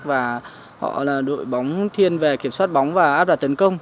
và họ là đội bóng thiên về kiểm soát bóng và áp đặt tấn công